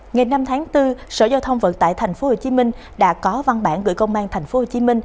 ngày năm tháng bốn sở giao thông vận tải tp hcm đã có văn bản gửi công an tp hcm